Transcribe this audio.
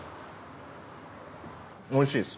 おいしいです。